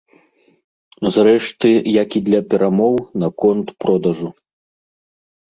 Зрэшты, як і для перамоў наконт продажу.